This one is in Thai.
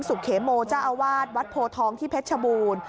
สุเขโมเจ้าอาวาสวัดโพทองที่เพชรชบูรณ์